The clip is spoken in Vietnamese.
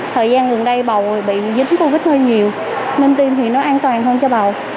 thời gian gần đây bầu bị dính covid hơi nhiều nên tim thì nó an toàn hơn cho bầu